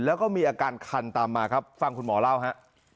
แล้วก็มีอาการคันตามมาครับฟังคุณหมอเล่าฮะ